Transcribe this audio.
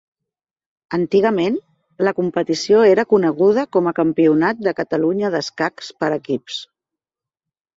Antigament, la competició era coneguda com a Campionat de Catalunya d'Escacs per Equips.